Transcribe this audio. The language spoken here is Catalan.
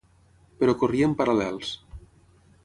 Però corrien paral·lels.